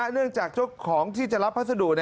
เนื่องจากเจ้าของที่จะรับพัสดุ